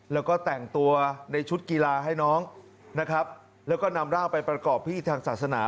แล้วก็แต่งตัวในชุดกีฬาให้น้องนะครับแล้วก็นำร่างไปประกอบพิธีทางศาสนา